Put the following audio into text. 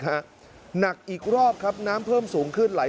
หนักอีกรอบครับน้ำเพิ่มสูงขึ้นไหล